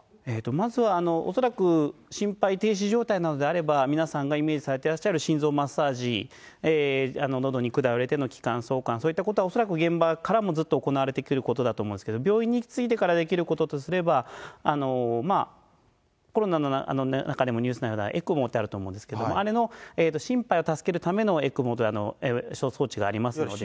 まずは恐らく、心肺停止状態なのであれば、皆さんがイメージされていらっしゃる心臓マッサージ、のどに管を入れてのきかん挿管、そういったことは恐らく現場からもずっと行われてきていることだと思うんですけれども、病院に着いてからできることとすれば、コロナの中でもニュースになった、ＥＣＭＯってあると思うんですけれども、あれの心肺を助けるためのＥＣＭＯの装置がありますので。